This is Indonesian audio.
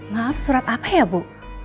maaf surat apa ya bu